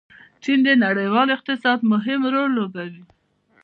چین د نړیوال اقتصاد مهم رول لوبوي.